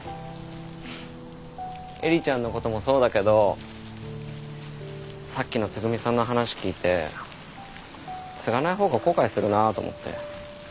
映里ちゃんのこともそうだけどさっきのつぐみさんの話聞いて継がない方が後悔するなあと思って。